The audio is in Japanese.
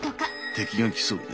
敵が来そうね。